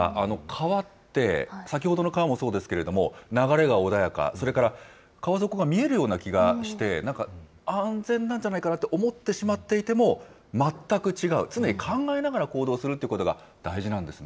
川って、先ほどの川もそうですけれども、流れが穏やか、それから川底が見えるような気がして、なんか安全なんじゃないかなと思ってしまっていても、全く違う、常に考えながら行動するこ